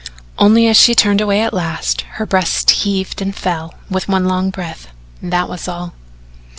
Only as she turned away at last her breast heaved and fell with one long breath that was all.